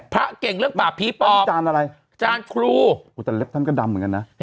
พระเก่งเรื่องป่าผีป่ะนี่จานอะไรจานครูแต่เล็บท่านก็ดำเหมือนกันนะ